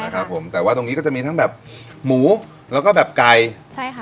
ครับผมแต่ว่าตรงนี้ก็จะมีทั้งแบบหมูแล้วก็แบบไก่ใช่ค่ะ